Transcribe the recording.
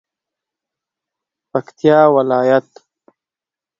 پکتیا ولایت